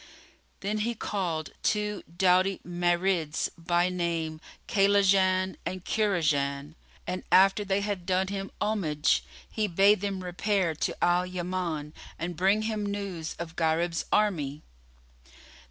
Then he called two doughty Marids, by name Kaylaján and Kúraján, and after they had done him homage, he bade them repair to Al Yaman and bring him news of Gharib's army.